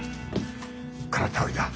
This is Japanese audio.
このとおりだ。